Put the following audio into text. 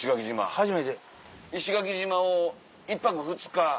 初めて。石垣島を１泊２日。